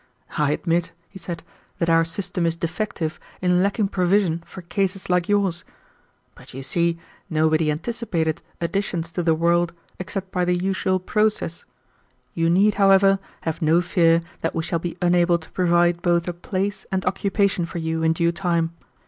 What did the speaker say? "I admit," he said, "that our system is defective in lacking provision for cases like yours, but you see nobody anticipated additions to the world except by the usual process. You need, however, have no fear that we shall be unable to provide both a place and occupation for you in due time.